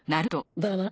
だな。